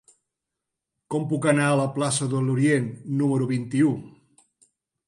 Com puc anar a la plaça de l'Orient número vint-i-u?